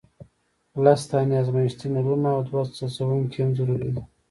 لس دانې ازمیښتي نلونه او دوه څڅونکي هم ضروري دي.